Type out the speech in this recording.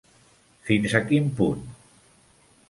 Fins a quin punt?